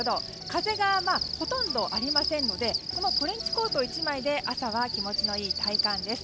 風がほとんどありませんのでこのトレンチコート１枚で朝は気持ちのいい体感です。